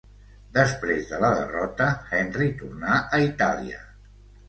Després de la derrota, Henry tornà a Itàlia.